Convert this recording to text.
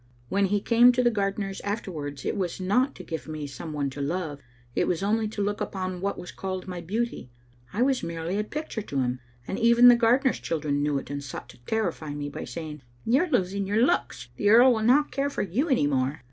When he came to the gardener's afterwards, it was not to give me some one to love, it was only to look upon what was called my beauty ; I was merely a picture to him, and even the gardener's children knew it and sought to terrify me by saying, *You are losing your looks; the earl will not care for you any more.